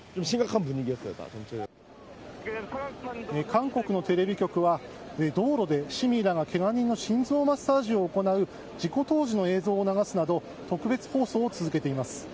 韓国のテレビ局は道路で市民らがけが人の心臓マッサージを行う事故当時の映像を流すなど特別放送を続けています。